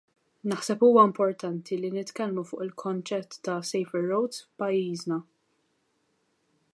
Naħseb huwa importanti li nitkellmu fuq il-konċett ta' safer roads f'pajjiżna.